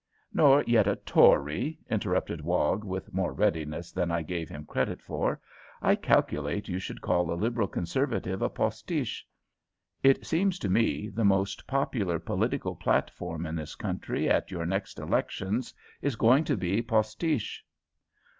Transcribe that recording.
"Nor yet a Tory," interrupted Wog, with more readiness than I gave him credit for. "I calculate you should call a Liberal Conservative a postiche. It seems to me the most popular political platform in this country at your next elections is going to be postiche."